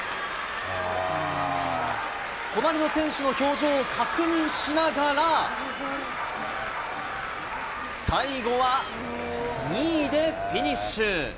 隣の選手の表情を確認しながら、最後は２位でフィニッシュ。